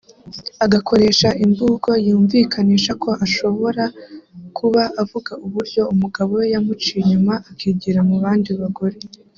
agakoresha imvugo yumvikanisha ko ashobora kuba avuga uburyo umugabo we yamuciye inyuma akigira mu bandi bagore